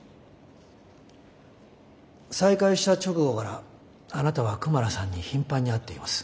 再会した直後からあなたはクマラさんに頻繁に会っています。